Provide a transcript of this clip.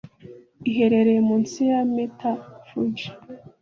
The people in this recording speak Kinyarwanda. Iherereye munsi ya Mt. Fuji.